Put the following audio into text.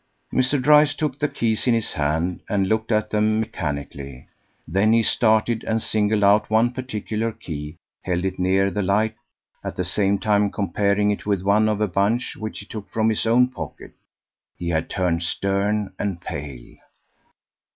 Mr. Dryce took the keys in his hand and looked at them mechanically; then he started and singled out one particular key, held it nearer the light, at the same time comparing it with one of a bunch which he took from his own pocket. He had turned stern and pale.